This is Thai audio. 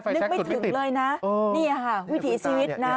ไฟแชทสุดไม่ติดเถอะนะนี่ค่ะวิถีชีวิตนะคุณตา